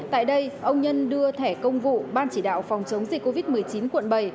tại đây ông nhân đưa thẻ công vụ ban chỉ đạo phòng chống dịch covid một mươi chín quận bảy